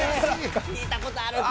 「聞いたことある」って。